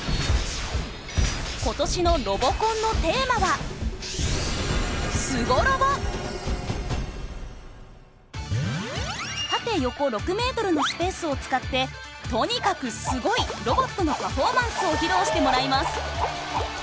今年のロボコンのテーマは縦横６メートルのスペースを使ってとにかくすごいロボットのパフォーマンスを披露してもらいます。